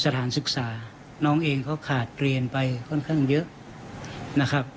สถานศึกษาน้องเองเขาขาดเรียนไปค่อนข้างเยอะนะครับ